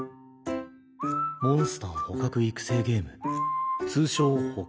モンスター捕獲育成ゲーム